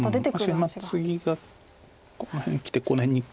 確かにツギがこの辺きてこの辺に。